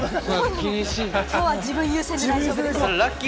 きょうは自分優先で大丈夫です。